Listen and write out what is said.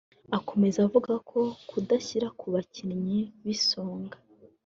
Akomeza avuga ko kudashyira ku bakinnyi b’Isonga